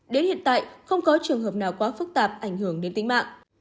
đến hiện tại không có trường hợp nào quá phức tạp ảnh hưởng đến tính mạng